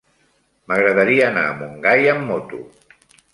M'agradaria anar a Montgai amb moto.